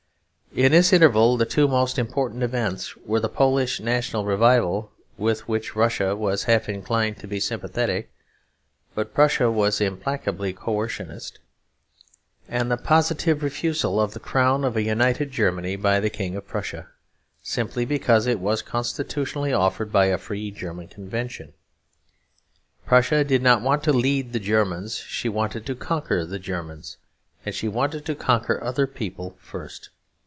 In this interval the two most important events were the Polish national revival, with which Russia was half inclined to be sympathetic, but Prussia was implacably coercionist; and the positive refusal of the crown of a united Germany by the King of Prussia, simply because it was constitutionally offered by a free German Convention. Prussia did not want to lead the Germans: she wanted to conquer the Germans. And she wanted to conquer other people first.